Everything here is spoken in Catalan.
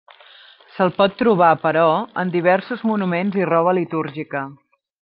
Se'l pot trobar, però, en diversos monuments i roba litúrgica.